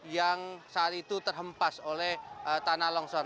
yang saat itu terhempas oleh tanah longsor